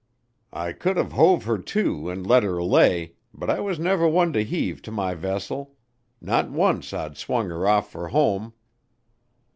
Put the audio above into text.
I could've hove her to and let her lay, but I was never one to heave to my vessel not once I'd swung her off for home.